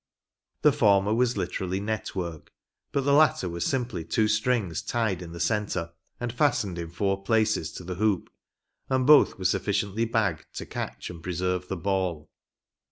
The former was literally net work, but the latter was simply two strings tied in the centre, and fastened in four places to the hoop ; and both were sufficiently bagged to catch and preserve the ball.